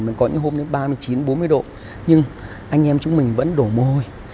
mình có những hôm đến ba mươi chín bốn mươi độ nhưng anh em chúng mình vẫn đổ mồ hôi